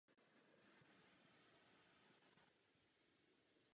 Po stranách jsou dva obrácené kříže.